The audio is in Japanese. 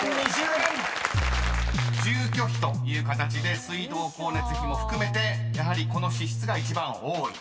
［「住居費」という形で水道・光熱費も含めてやはりこの支出が一番多い］